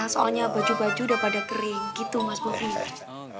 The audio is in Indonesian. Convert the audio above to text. soalnya baju baju udah pada kering gitu mas putri